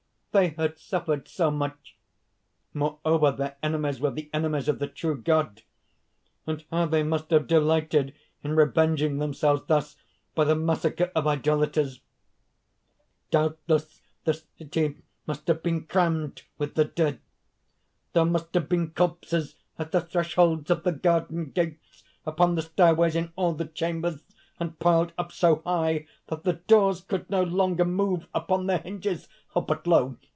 They had suffered so much! Moreover, their enemies were the enemies of the true God. And how they must have delighted in avenging themselves thus by the massacre of idolaters! Doubtless the city must have been crammed with the dead! There must have been corpses at the thresholds of the garden gates, upon the stairways, in all the chambers, and piled up so high that the doors could no longer move upon their hinges!... But lo!